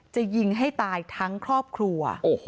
จะยิงให้ตายทั้งครอบครัว